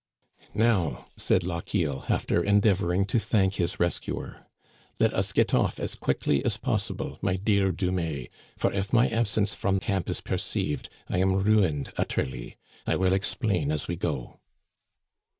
" Now," said Lochiel, after endeavoring to thank his rescuer, " let us get off as quickly as possible, my dear Dumais ; for if my absence from camp is perceived I am ruined utterly. I will explain as we go."